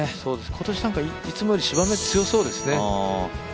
今年、なんかいつもより芝目強そうですね。